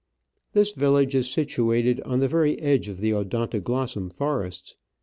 This village is situated on the very edge of the Odonto glossum forests.